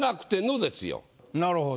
なるほど。